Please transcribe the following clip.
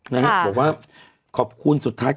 นะฮะบอกว่าขอบคุณสุดท้าย